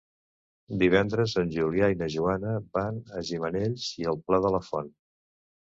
Divendres en Julià i na Joana van a Gimenells i el Pla de la Font.